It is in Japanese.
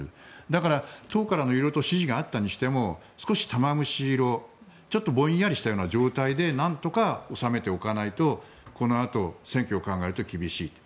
だから党から色々指示があったとしても少し玉虫色ちょっとぼんやりした状態でなんとか収めておかないとこのあと選挙を考えると厳しい。